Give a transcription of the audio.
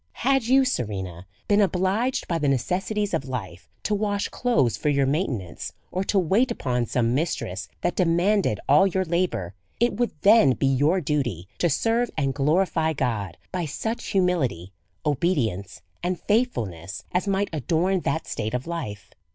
Had you, Serena, been obliged, by the necessities of life, to wash clothes for your maintenance, or to wait upon some mistress that demanded all your la bour, it would then be your duty to serve and glorify God by such humihty, obedience, and faithfulness, as might adorn that state of life.